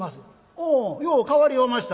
「おおよう代わりがおましたな」。